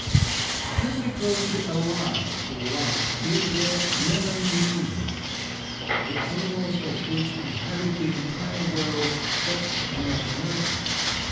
A family closely allied to the last is the Melaniidae, the animals of which inhabit the entire world, except North America.